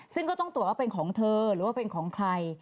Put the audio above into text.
ซึ่งก็ต้องตรวจว่าเป็นของเธอหรือว่าเป็นของใคร